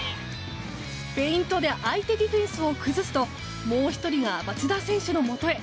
フェイントで相手ディフェンスを崩すともう１人が町田選手のもとへ。